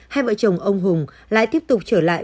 hai vợ chồng ông hùng lại tiếp tục trở lại